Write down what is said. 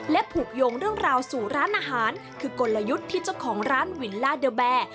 ผูกโยงเรื่องราวสู่ร้านอาหารคือกลยุทธ์ที่เจ้าของร้านวิลล่าเดอร์แบร์